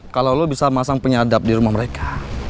kalau lo bisa masang penyadap di rumah mereka